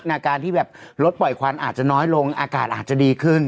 อาการที่แบบรถปล่อยควันอาจจะน้อยลงอากาศอาจจะดีขึ้น